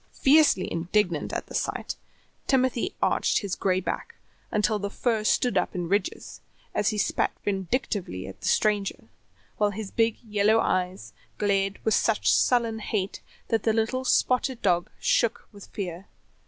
Fiercely indignant at the sight, Timothy arched his gray back until the fur stood up in ridges, as he spat vindictively at the stranger, while his big yellow eyes glared with such sullen hate that the little spotted dog shook with fear.